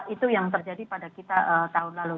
itu yang terjadi pada kita tahun lalu